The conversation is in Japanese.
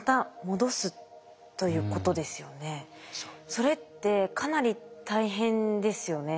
それってかなり大変ですよね。